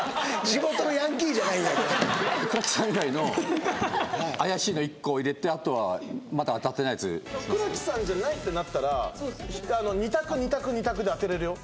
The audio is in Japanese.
地元のヤンキーじゃないんやから倉木さん以外の怪しいの１個入れてあとはまだ当たってないやつ倉木さんじゃないってなったら２択２択２択で当てれるよ